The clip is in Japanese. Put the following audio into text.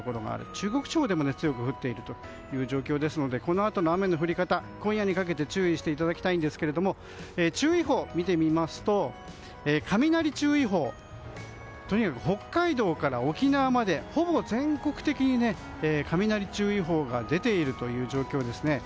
中国地方でも強く降っている状況ですのでこのあとの雨の降り方今夜にかけて注意していただきたいんですが注意報を見てみますと雷注意報がとにかく北海道から沖縄までほぼ全国的に雷注意報が出ているという状況ですね。